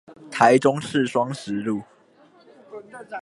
台中市雙十路